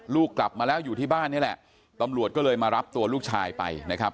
ลูกกลับมาแล้วอยู่ที่บ้านนี่แหละตำรวจก็เลยมารับตัวลูกชายไปนะครับ